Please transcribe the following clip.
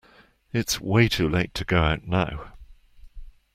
It's way too late to go out now.